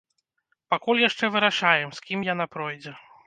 Пакуль яшчэ вырашаем, з кім яна пройдзе.